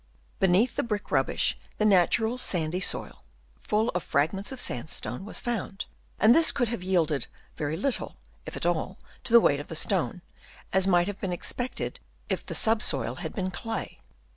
Beneath the brick rubbish the natural sandy soil, full of fragments of sandstone was found ; and this could have yielded very little, if at all, to the weight of the stone, as might have been expected if the sub soil had been clay.